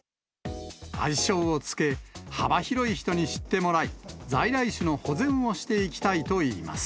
愛称を付け、幅広い人に知ってもらい、在来種の保全をしていきたいといいます。